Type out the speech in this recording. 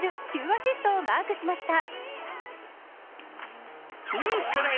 ９アシストをマークしました。